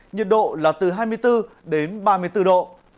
nhiệt độ là từ hai mươi bốn đến ba mươi bốn độ